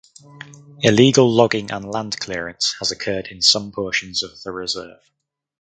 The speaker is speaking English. Illegal logging and land clearance has occurred in some portions of the reserve.